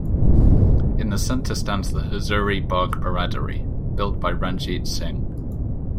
In the center stands the Hazuri Bagh Baradari, built by Ranjit Singh.